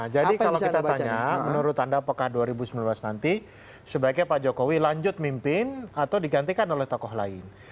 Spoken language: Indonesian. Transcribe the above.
jadi kalau kita tanya menurut anda apakah dua ribu sembilan belas nanti sebaiknya pak jokowi lanjut mimpin atau digantikan oleh tokoh lain